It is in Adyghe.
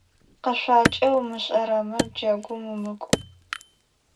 Къэшъуакӏэ умышӏэрэмэ, джэгум умыкӏу.